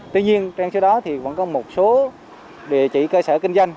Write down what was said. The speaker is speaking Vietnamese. tuy nhiên trên số đó thì vẫn có một số địa chỉ cơ sở kinh doanh